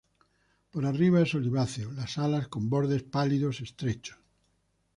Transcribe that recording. Por arriba es oliváceo, las alas con bordes pálidos estrechos.